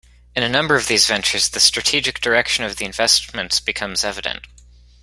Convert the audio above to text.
In a number of these ventures the strategic direction of the investments becomes evident.